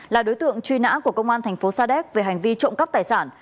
là đối tượng truy nã của công an thành phố sa đéc về hành vi trộm cắp tài sản